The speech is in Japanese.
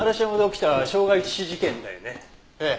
ええ。